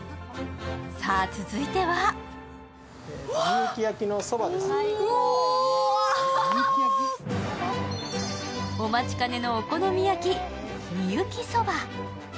さぁ、続いてはお待ちかねのお好み焼き、御幸そば。